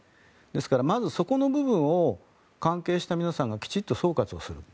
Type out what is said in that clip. ですから、まずそこの部分を関係した皆さんがきちんと総括する。